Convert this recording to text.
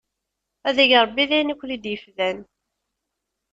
Ad ig Ṛebbi d ayen i ken-ifdan!